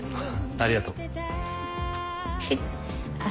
ありがとう。